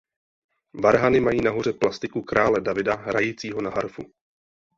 Varhany mají nahoře plastiku krále Davida hrajícího na harfu.